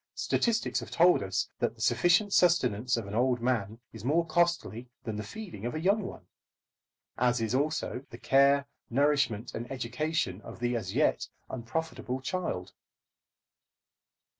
Statistics have told us that the sufficient sustenance of an old man is more costly than the feeding of a young one, as is also the care, nourishment, and education of the as yet unprofitable child.